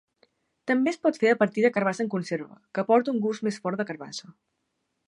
També es pot fer a partir de carbassa en conserva, que aporta un gust més fort de carbassa.